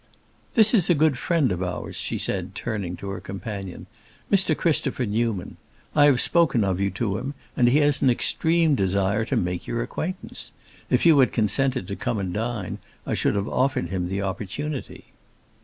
"This is a good friend of ours," she said, turning to her companion, "Mr. Christopher Newman. I have spoken of you to him and he has an extreme desire to make your acquaintance. If you had consented to come and dine, I should have offered him an opportunity."